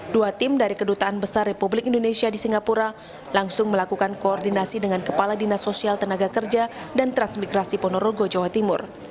dua tim dari kedutaan besar republik indonesia di singapura langsung melakukan koordinasi dengan kepala dinas sosial tenaga kerja dan transmigrasi ponorogo jawa timur